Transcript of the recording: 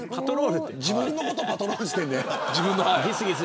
自分のことパトロールしてるんや。